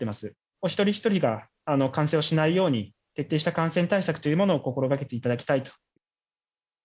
お一人一人が感染をしないように、徹底した感染対策というものを心がけていただきたいと。